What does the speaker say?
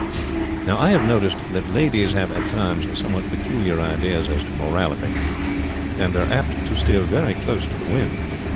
"Now, I have noticed that ladies have at times somewhat peculiar ideas as to morality, and are apt to steer very close to the wind.